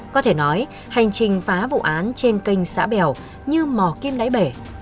có thể nói hành trình phá vụ án trên kênh xã bèo như mò kim đáy bể